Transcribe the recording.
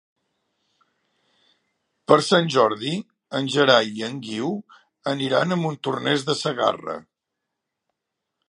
Per Sant Jordi en Gerai i en Guiu aniran a Montornès de Segarra.